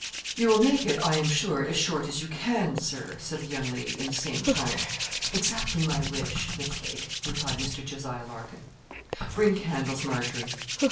'You will make it, I am sure, as short as you can, Sir,' said the young lady, in the same tone. 'Exactly my wish, Miss Lake,' replied Mr. Jos. Larkin. 'Bring candles, Margery.'